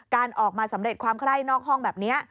การออกมาสำเร็จความไคร่นอกห้องแบบนี้